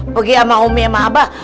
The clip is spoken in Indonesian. pergi sama umi sama abah